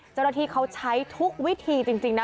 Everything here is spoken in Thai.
เจ้าหน้าที่เขาใช้ทุกวิธีจริงนะ